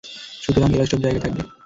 সুতরাং, এরা এসব জায়গায় থাকবে।